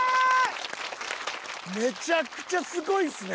めちゃくちゃすごいっすね。